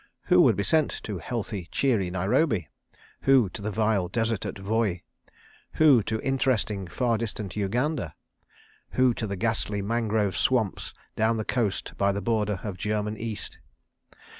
Who would be sent to healthy, cheery Nairobi? Who to the vile desert at Voi? Who to interesting, far distant Uganda? Who to the ghastly mangrove swamps down the coast by the border of German East?